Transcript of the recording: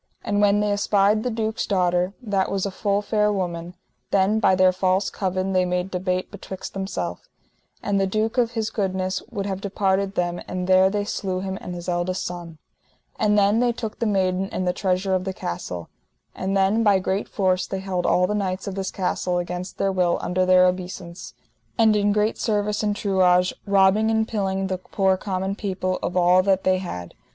And when they espied the duke's daughter, that was a full fair woman, then by their false covin they made debate betwixt themself, and the duke of his goodness would have departed them, and there they slew him and his eldest son. And then they took the maiden and the treasure of the castle. And then by great force they held all the knights of this castle against their will under their obeissance, and in great service and truage, robbing and pilling the poor common people of all that they had.